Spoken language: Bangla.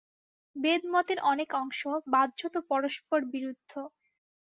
বেদমতের অনেক অংশ বাহ্যত পরস্পরবিরুদ্ধ।